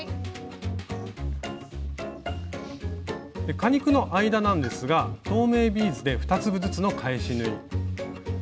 果肉の間なんですが透明ビーズで２粒ずつの返し縫い。